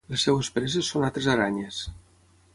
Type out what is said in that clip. Les seves preses són altres aranyes.